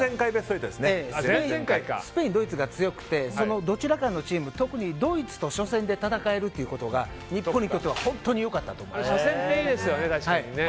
スペイン、ドイツが強くてどちらかのチームドイツと初戦で戦えるということが日本にとって先手ではいいですよね。